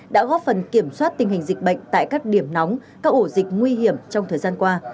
đã góp phần kiểm soát tình hình dịch bệnh tại các điểm nóng các ổ dịch nguy hiểm trong thời gian qua